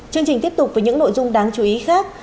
chương trình tiếp tục với những nội dung đáng chú ý khác